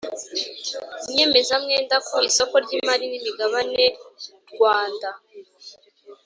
nyemezamwenda ku isoko ry imari n imigabane rwanda